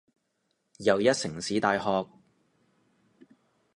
又一城市大學